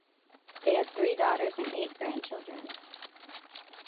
They had three daughters and eight grandchildren.